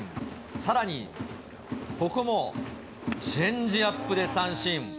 さらに、ここもチェンジアップで三振。